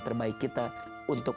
terbaik kita untuk